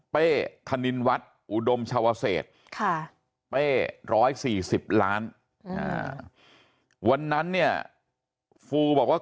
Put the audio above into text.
เป้ธนินวัฒน์อุดมชาวเศษเป้๑๔๐ล้านวันนั้นเนี่ยฟูบอกว่า